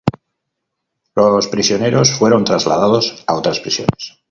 Los prisioneros fueron trasladados a otras prisiones.